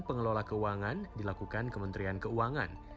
pengelola keuangan dilakukan kementerian keuangan